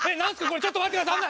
これちょっと待ってください！